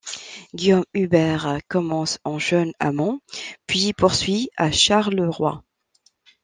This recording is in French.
Guillaume Hubert commence en jeunes à Mons puis poursuit à Charleroi.